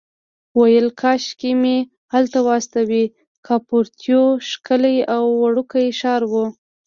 ویل کاشکې مې هلته واستوي، کاپوریتو ښکلی او وړوکی ښار و.